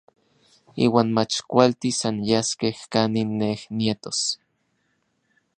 Iuan mach kualtis anyaskej kanin nej nietos.